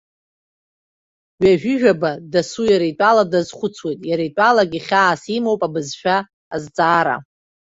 Ҩажәижәаба, дасу иара итәала дазхәыцуеит, иара итәалагьы хьаас имоуп абызшәа азҵаара.